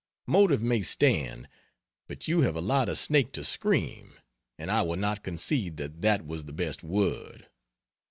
Motive may stand; but you have allowed a snake to scream, and I will not concede that that was the best word.